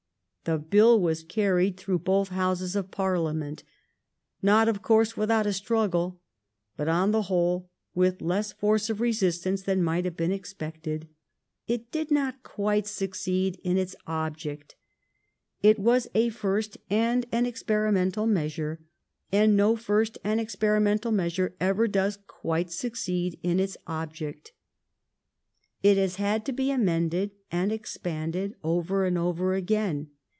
The bill was carried through both Houses of Parliament, not, of course, without a struggle, but, on the whole, with less force of resistance than might have been expected. It did not quite succeed in its object. It was a first and an experimental measure, and no first and experimental measure ever does quite succeed in its object. It has had to be amended and ex panded over and over again.